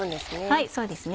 はいそうですね。